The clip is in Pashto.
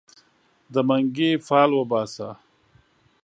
د منګې فال وباسه